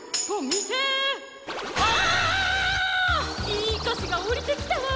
いいかしがおりてきたわ！